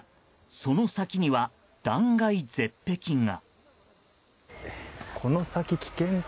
その先には、断崖絶壁が。